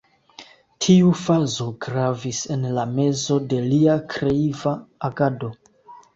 Tiu fazo gravis en la mezo de lia kreiva agado.